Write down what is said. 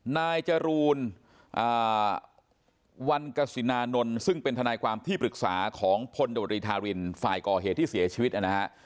นายจรูลวันกษินานนท์ซึ่งเป็นทนายความที่ปรึกษาของพลโดรีธารินฝ่ายก่อเหตุที่เสียชีวิตนะฮะ